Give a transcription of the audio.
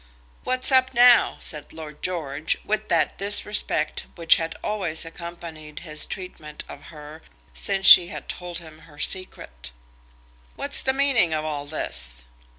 "What's up now?" said Lord George, with that disrespect which had always accompanied his treatment of her since she had told him her secret. "What's the meaning of all this?"